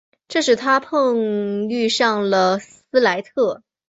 这使他碰遇上了斯莱特。